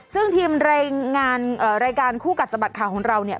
ซึ่งทีมรายงานรายการคู่กัดสะบัดข่าวของเราเนี่ย